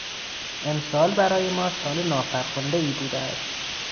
امسال برای ما سال نافرخندهای بوده است.